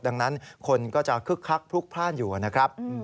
ดังนั้นคนก็จะคึกคักพลุกพลาดอยู่นะครับ